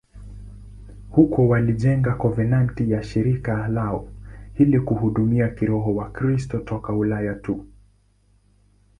Huko walijenga konventi ya shirika lao ili kuhudumia kiroho Wakristo toka Ulaya tu.